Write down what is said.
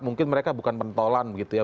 mungkin mereka bukan pentolan gitu ya